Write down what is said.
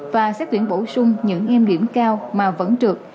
và xét tuyển bổ sung những em điểm cao mà vẫn trượt